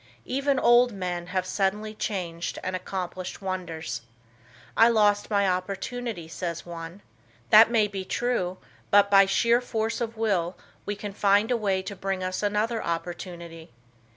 Even old men have suddenly changed and accomplished wonders. "I lost my opportunity," says one. That may be true, but by sheer force of will, we can find a way to bring us another opportunity.